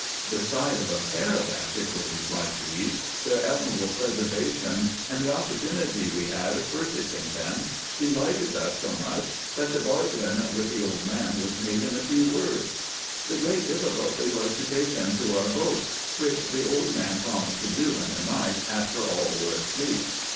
The sight of a pair of antiques like these, their admirable preservation, and the opportunity we had of purchasing them, delighted us so much, that the bargain with the old man was made in a few words. The great difficulty was to take them to our boat, which the old man promised to do in the night, after all were asleep.